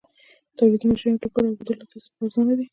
تولیدي ماشینونه او د ټوکر اوبدلو تاسیسات ارزانه دي